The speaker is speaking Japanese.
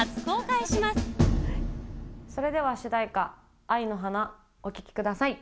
それでは主題歌「愛の花」お聴きください。